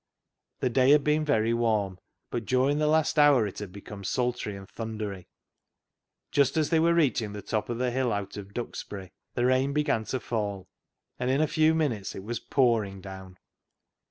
The day had been very warm, but during the last hour it had become sultry and thundery. Just as they were reaching the top of the hill out of Dux bury the rain began to fall, and in a few minutes it was pouring down.